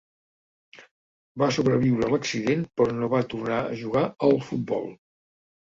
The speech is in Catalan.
Va sobreviure a l'accident però no va tornar a jugar al futbol.